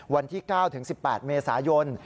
วันที่๙ถึง๑๘เมษายน